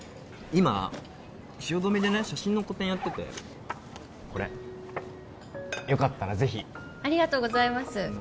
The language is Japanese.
今汐留でね写真の個展やっててこれよかったらぜひありがとうございます